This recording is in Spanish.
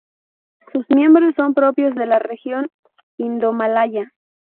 Sus miembros son propios de la región indomalaya.